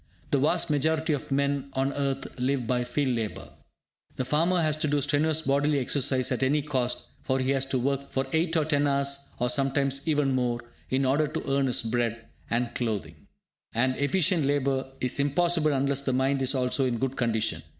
The vast majority of men on earth live by field labour. The farmer has to do strenuous bodily exercise at any cost, for he has to work for 8 or 10 hours, or sometimes even more, in order to earn his bread and clothing. And efficient labour is impossible unless the mind is also in good condition.